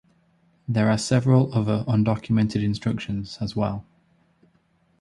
There are several other undocumented instructions as well.